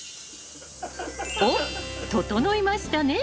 ととのいましたね。